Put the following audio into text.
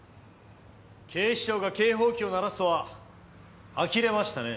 警視庁が警報機を鳴らすとは呆れましたね。